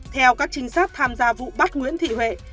theo các trinh sát tham gia vụ bắt nguyễn thị huệ